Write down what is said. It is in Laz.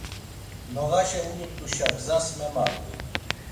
Noğaşe ulut̆uşa gzas memagu.